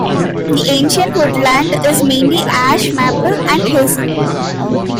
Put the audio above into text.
This ancient woodland is mainly ash, maple and hazel.